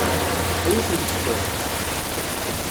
Ad iyi-tent-tefkeḍ?